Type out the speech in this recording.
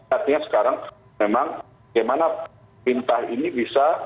artinya sekarang memang bagaimana perintah ini bisa